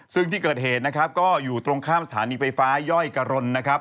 ซึ่งที่เกิดเหตุนะครับก็อยู่ตรงข้ามสถานีไฟฟ้าย่อยกะรนนะครับ